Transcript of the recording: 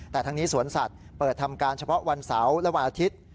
แต่ทั้งนี้สวนสัตว์เปิดทำการเฉพาะวันเสาร์และวันอาทิตย์